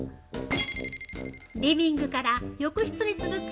◆リビングから浴室に続く